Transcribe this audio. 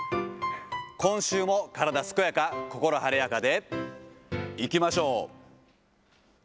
今週も体すこやか、心晴れやかでいきましょう。